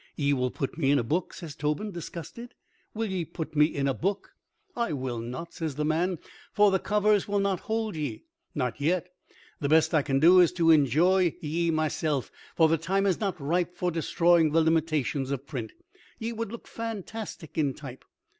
"Ye will put me in a book," says Tobin, disgusted; "will ye put me in a book?" "I will not," says the man, "for the covers will not hold ye. Not yet. The best I can do is to enjoy ye meself, for the time is not ripe for destroying the limitations of print. Ye would look fantastic in type.